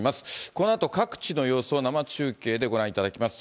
このあと、各地の様子を生中継でご覧いただきます。